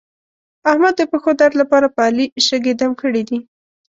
احمد د پښو درد لپاره په علي شګې دم کړې دي.